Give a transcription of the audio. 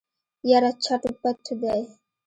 يره چټ و پټ دی.